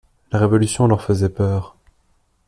La Révolution leur faisait peur.